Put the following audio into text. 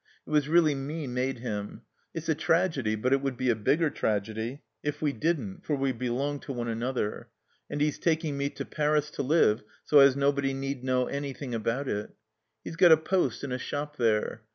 It was really me made him. It's a tragedy, but it would be a bigger tragedy if we didn't, for we belong to one another. And he's taking me to Paris to live so as nobody need know anything about it. He's got a post in a shop there.